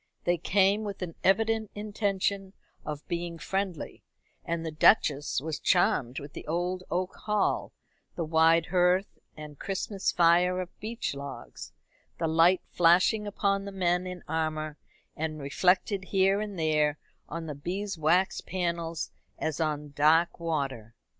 They came with an evident intention of being friendly, and the Duchess was charmed with the old oak hall, the wide hearth and Christmas fire of beech logs, the light flashing upon the men in armour, and reflected here and there on the beeswaxed panels as on dark water.